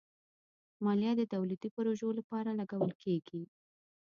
مالیه د دولتي پروژو لپاره لګول کېږي.